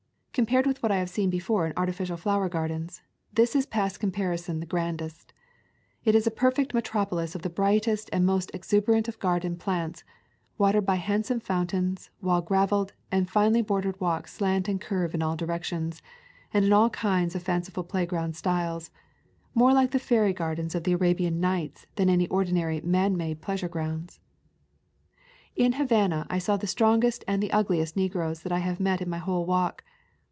Compared with what I have before seen in artificial flower gar dens, this is past comparison the grandest. It is a perfect metropolis of the brightest and most exuberant of garden plants, watered by hand some fountains, while graveled and finely bor dered walks slant and curve in all directions, and in all kinds of fanciful playground styles, more like the fairy gardens of the Arabian Nights than any ordinary man made pleasure ground. In Havana I saw the strongest and the ugliest negroes that I have met in my whole walk.